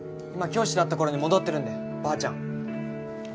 今教師だった頃に戻ってるんでばあちゃん。